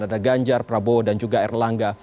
ada ganjar prabowo dan juga erlangga